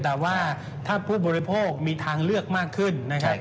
แต่ว่าถ้าผู้บริโภคมีทางเลือกมากขึ้นนะครับ